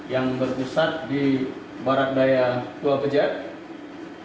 yang berpusat di barat daya tua pejat